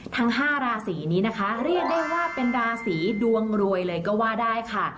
ทั้ง๕ราศีนี้นะคะเรียกได้ว่าเป็นราศีดวงรวยเลยก็ว่าได้ค่ะ